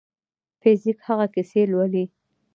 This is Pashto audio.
فزیک هغه کیسې لولي.